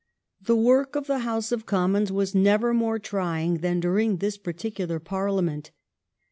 The work of the House of Commons was never more trying than during this particular Parliament.